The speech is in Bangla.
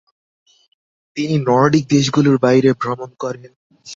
তিনি নর্ডিক দেশগুলির বাইরে ভ্রমণ করেন।